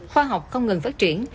khoa học không ngừng phát triển